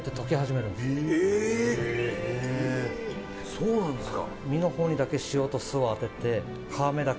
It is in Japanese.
そうなんですか？